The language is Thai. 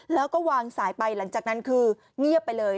แล้วก็วางสายไปหลังจากนั้นคือเงียบไปเลย